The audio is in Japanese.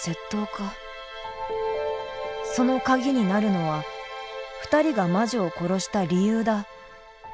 そのカギになるのは２人が魔女を殺した理由だ。